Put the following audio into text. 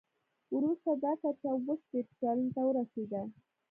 وروسته دا کچه اووه شپېته سلنې ته ورسېده.